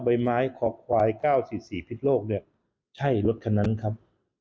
ใบไม้ขอบควาย๙๔๔พิษโลกเนี่ยใช่รถคันนั้นครับ